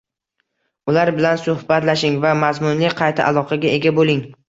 Ular bilan suhbatlashing va mazmunli qayta aloqaga ega bo‘ling.